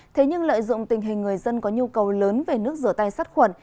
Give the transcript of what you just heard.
thế nhưng lợi dụng tình hình người dân có nhu cầu lớn về nước rửa tay sát khuẩn